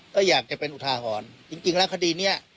ก็อยากจะเป็นอุทาหรณ์จริงแล้วคดีนี้